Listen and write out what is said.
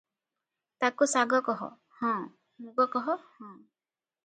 ତାକୁଶାଗ କହ ହଁ, ମୁଗ କହ ହଁ ।